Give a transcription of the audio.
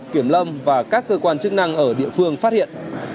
kiểm lâm và các cơ quan chức năng ở địa phương phát hiện